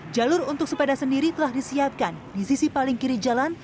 jalur untuk sepeda sendiri telah disiapkan di sisi paling kiri jalan